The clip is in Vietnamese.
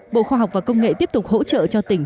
bộ khoa học và công nghệ tiếp tục hỗ trợ cho tỉnh